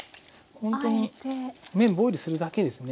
ほんとに麺ボイルするだけですね。